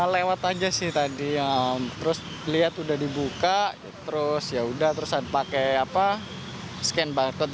lewat aja sih tadi terus lihat udah dibuka terus yaudah terus pakai apa scan barcode